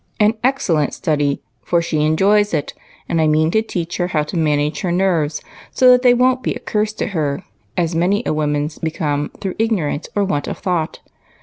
"An excellent study, for she enjoys it, and I mean to teach her how to manage her nerves so that they won't be a curse to her, as many a woman's become through ignorance or want of thought.